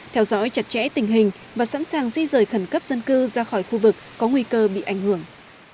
theo dõi chặt chẽ tình hình và sẵn sàng di rời khẩn cấp dân cư ra khỏi khu vực có nguy cơ bị ảnh hưởng